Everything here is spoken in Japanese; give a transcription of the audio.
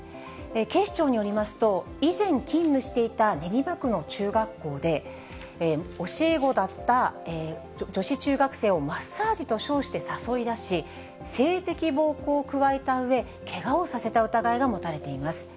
警視庁によりますと、以前勤務していた練馬区の中学校で、教え子だった女子中学生をマッサージと称して誘い出し、性的暴行を加えたうえ、けがをさせた疑いが持たれています。